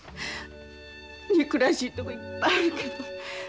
憎らしいとこいっぱいあるけどあなたが好き。